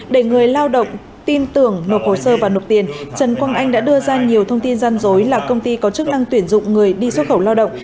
để người lao động tin tưởng nộp hồ sơ và nộp tiền trần quang anh đã đưa ra nhiều thông tin gian dối là công ty có chức năng tuyển dụng người đi xuất khẩu lao động